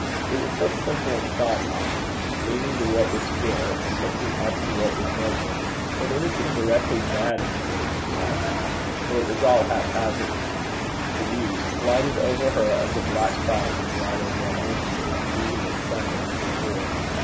It was so simple and childlike, leaning to what was pure, and looking up to what was noble, that anything directly bad in the books she happened for it was all haphazard to read, glided over her as a black cloud may glide over a landscape, leaving it sunny as before.